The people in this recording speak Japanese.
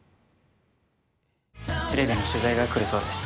テレビの取材が来るそうです。